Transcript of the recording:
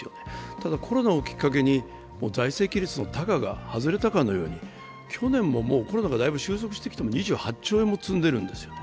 ただコロナをきっかけに財政規律のたがが外れてしまったかのように去年もコロナがだいぶ収束してきても２８兆円も積んできているんですよ。